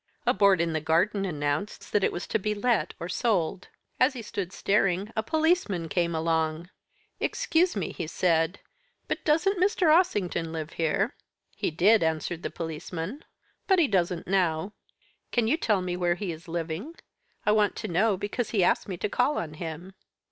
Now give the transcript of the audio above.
A board in the garden announced that it was to be let or sold. As he stood staring, a policeman came along. "'Excuse me!' he said, 'but doesn't Mr. Ossington live here?' "'He did!' answered the policeman; 'but he doesn't now.' "'Can you tell me where he is living? I want to know because he asked me to call on him.'